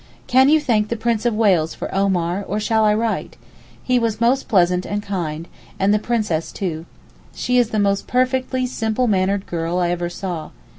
Can you thank the Prince of Wales for Omar, or shall I write? He was most pleasant and kind, and the Princess too. She is the most perfectly simple mannered girl I ever saw.